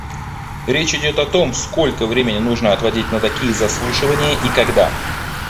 Речь идет о том, сколько времени нужно отводить на такие заслушивания и когда.